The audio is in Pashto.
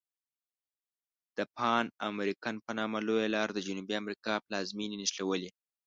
د پان امریکن په نامه لویه لار د جنوبي امریکا پلازمیني نښلولي.